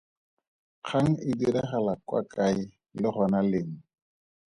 Kgang e diragala kwa kae le gona leng?